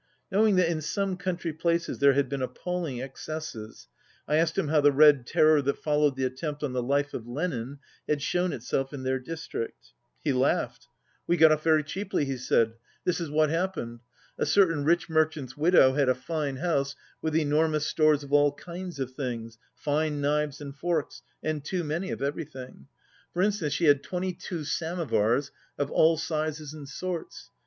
Knowing that in some country places there had been appalling excesses, I asked him how the Red Terror that followed the attempt on the life of Lenin had shown itself in their district. He laughed. 77 "We got off very cheaply," he said. "This is what happened A certain rich merchant's widow had a fine house, with enormous stores of all kinds of things, fine knives and forks, and too many of everything. For instance, she had twenty two samovars of all sizes and sorts.